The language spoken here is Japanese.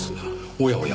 おやおや